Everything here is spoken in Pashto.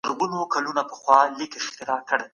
سفیران کله د فردي مالکیت حق ورکوي؟